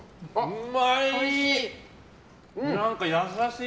うまい！